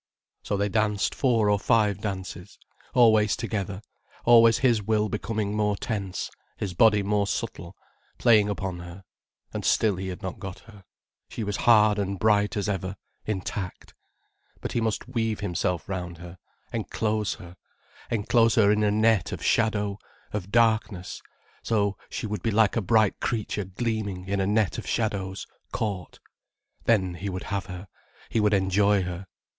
So they danced four or five dances, always together, always his will becoming more tense, his body more subtle, playing upon her. And still he had not got her, she was hard and bright as ever, intact. But he must weave himself round her, enclose her, enclose her in a net of shadow, of darkness, so she would be like a bright creature gleaming in a net of shadows, caught. Then he would have her, he would enjoy her.